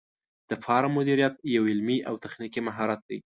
د فارم مدیریت یو علمي او تخنیکي مهارت دی.